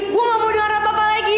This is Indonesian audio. gue gak mau dengar apa apa lagi